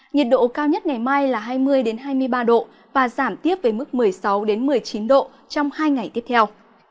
nhiệt độ cao nhất ngày mai là hai mươi hai mươi ba độ và giảm tiếp với mức một mươi sáu một mươi chín độ trong hai ngày tiếp theo